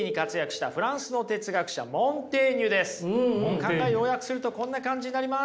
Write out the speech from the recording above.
考え要約するとこんな感じになります。